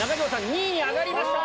２位に上がりました。